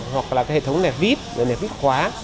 hoặc là hệ thống nẹp vít nẹp vít khóa